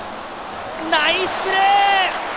ナイスプレー！